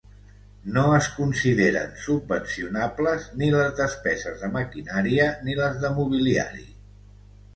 No es consideren subvencionables ni les despeses de maquinària ni les de mobiliari.